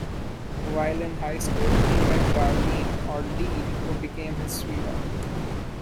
While in high school he met Darlene, or "Dee", who became his sweetheart.